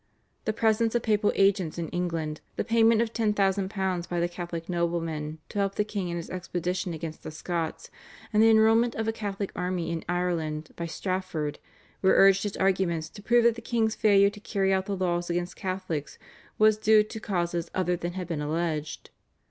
The presence of papal agents in England, the payment of £10,000 by the Catholic noblemen to help the king in his expedition against the Scots, and the enrolment of a Catholic army in Ireland by Strafford, were urged as arguments to prove that the king's failure to carry out the laws against Catholics was due to causes other than had been alleged.